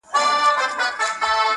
د عبدالباري جهاني منظومه ترجمه!.